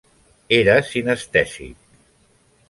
Era sinestèsic.